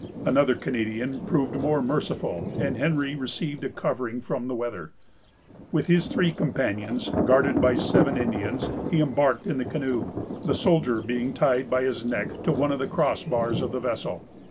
Another Canadian proved more merciful, and Henry received a covering from the weather. With his three companions, guarded by seven Indians, he embarked in the canoe, the soldier being tied by his neck to one of the cross bars of the vessel.